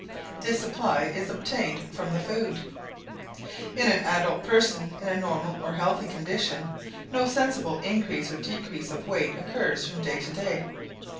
This supply is obtained from the food. In an adult person in a normal or healthy condition, no sensible increase or decrease of weight occurs from day to day.